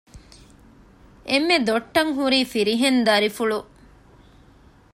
އެންމެ ދޮއްޓަށް ހުރީ ފިރިހެން ދަރިފުޅު